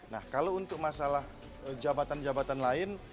nah kalau untuk masalah jabatan jabatan lain